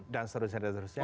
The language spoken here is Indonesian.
dan seterusnya dan seterusnya